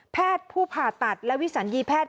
แพทย์ผู้ผ่าตัดและวิสัญญีแพทย์